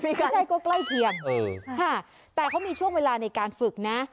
ไม่ใช่ก็ใกล้เคียงแต่เขามีช่วงเวลาในการฝึกนะ